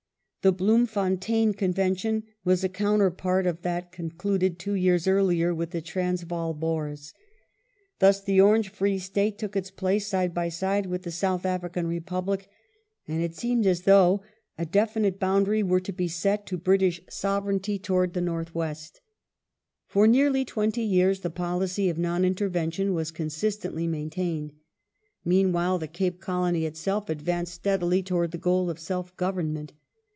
The The Bloemfontein Cx^nvention was a counterpart of that con Blocmfon duded two yeai*s earlier with the Transvaal Boei s. Thus the tan Con •^ 1881] THE BOER REPUBLICS 475 Orange Free State took its place side by side with the South vention, African Republic, and it seemed as though a definite boundary February were to be set to British Sovereignty towards the north west.^ For nearly twenty years the policy of non intervention was Sir consistently maintained. Meanwhile, the Cape Colony itself ad ^^^"^^^ vanced steadily towards the goal of self government.